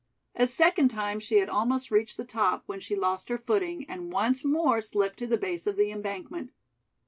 A second time she had almost reached the top when she lost her footing and once more slipped to the base of the embankment.